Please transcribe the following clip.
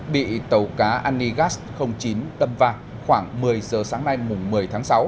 bị tàu cá anigas chín tâm vàng khoảng một mươi giờ sáng nay mùng một mươi tháng sáu